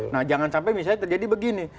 nah jangan sampai misalnya terjadi begini